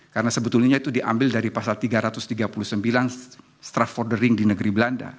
karena sebetulnya itu diambil dari pasal tiga ratus tiga puluh sembilan strafvordering di negeri belanda